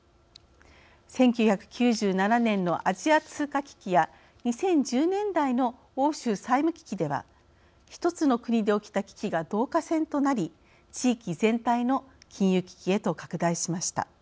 １９９７年のアジア通貨危機や２０１０年代の欧州債務危機では一つの国で起きた危機が導火線となり地域全体の金融危機へと拡大しました。